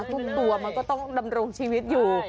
ทุกตัวมันก็ต้องดำรงชีวิตอยู่